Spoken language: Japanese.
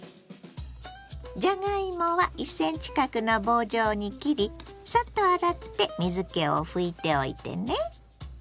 じゃがいもは１ｃｍ角の棒状に切りサッと洗って水けを拭いておいてね。